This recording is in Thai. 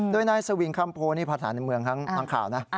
โดยนายสวิงคำโพนี่ภาษาในเมืองทั้งข่าวนะ